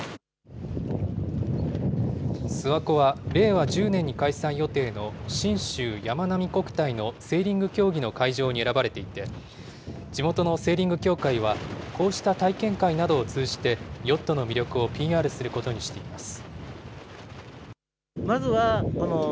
諏訪湖は令和１０年に開催予定の信州やまなみ国体のセーリング競技の会場に選ばれていて、地元のセーリング協会は、こうした体験会などを通じて、ヨットの魅力をＰＲすることにしています。